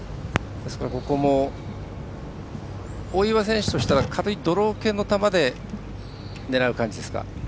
ですからここも大岩選手としては軽いドロー系の球で狙う感じですか？